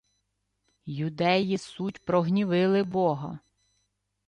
— Юдеї суть прогнівили бога.